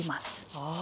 ああ！